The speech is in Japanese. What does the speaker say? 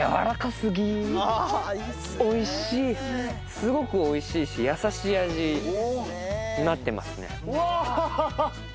すごくおいしいし、やさしい味になってますね。